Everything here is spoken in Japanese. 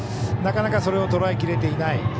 なかなかそれをとらえきれていない。